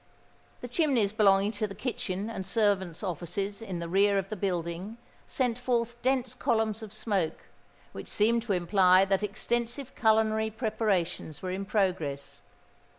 The chimneys belonging to the kitchen and servants' offices in the rear of the building, sent forth dense columns of smoke, which seemed to imply that extensive culinary preparations were in progress.